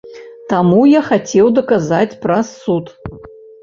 Таму я хацеў даказаць праз суд.